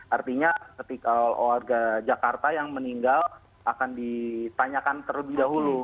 artinya ketika warga jakarta yang meninggal akan ditanyakan terlebih dahulu